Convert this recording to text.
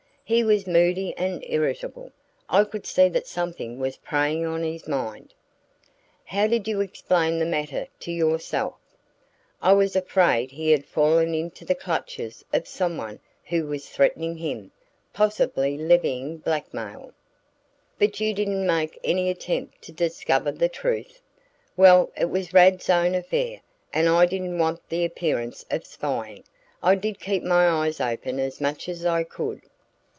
"He was moody and irritable. I could see that something was preying on his mind." "How did you explain the matter to yourself?" "I was afraid he had fallen into the clutches of someone who was threatening him, possibly levying blackmail." "But you didn't make any attempt to discover the truth?" "Well, it was Rad's own affair, and I didn't want the appearance of spying. I did keep my eyes open as much as I could."